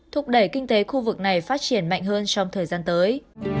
thúc đẩy kinh tế khu vực này phát triển mạnh hơn trong thời gian tới